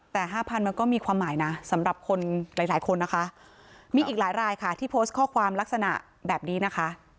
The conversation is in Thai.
แต่๕๐๐มันก็มีความหมายนะสำหรับคนหลายหลายคนนะคะมีอีกหลายรายค่ะที่โพสต์ข้อความลักษณะแบบนี้นะคะ